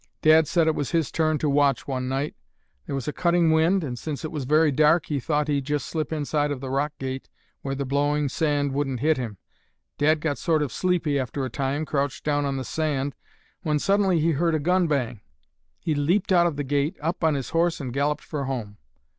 Dad said it was his turn to watch one night. There was a cutting wind and since it was very dark, he thought he'd just slip inside of the rock gate where the blowing sand wouldn't hit him. Dad got sort of sleepy, after a time, crouched down on the sand, when suddenly he heard a gun bang. He leaped out of the gate, up on his horse and galloped for home.